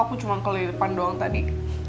aku cuma keliripan doang tadi